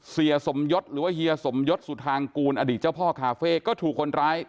เสียสมยศหรือว่าเฮียสมยศสุธางกูลอดีตเจ้าพ่อคาเฟ่ก็ถูกคนร้าย